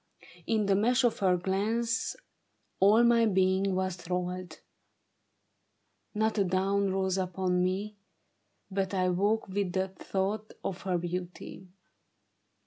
In the mesh of her glance All my being was thralled. Not a dawn rose upon me But I woke with the thought of her beauty.